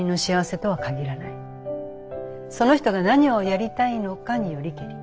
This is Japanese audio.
その人が何をやりたいのかによりけり。